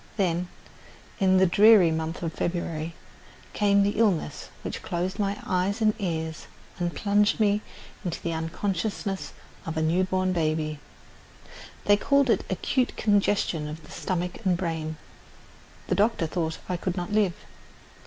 Then, in the dreary month of February, came the illness which closed my eyes and ears and plunged me into the unconsciousness of a new born baby. They called it acute congestion of the stomach and brain. The doctor thought I could not live.